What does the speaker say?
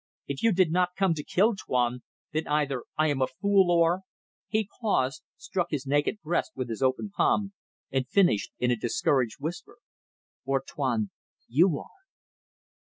If you did not come to kill, Tuan, then either I am a fool or ..." He paused, struck his naked breast with his open palm, and finished in a discouraged whisper "or, Tuan, you are."